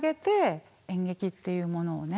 演劇っていうものをね